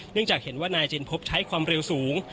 จากเห็นว่านายเจนพบใช้ความเร็วสูง